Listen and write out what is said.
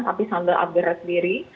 tapi sambil upgrade diri